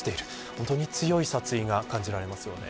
本当に強い殺意が感じられます。